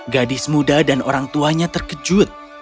gadis muda dan orang tuanya terkejut